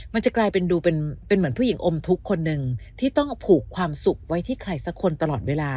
มันจะกลายเป็นดูเป็นเหมือนผู้หญิงอมทุกข์คนหนึ่งที่ต้องเอาผูกความสุขไว้ที่ใครสักคนตลอดเวลา